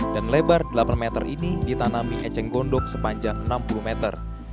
dan lebar delapan meter ini ditanami eceng gondok sepanjang enam puluh meter